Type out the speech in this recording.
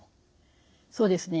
そうですね。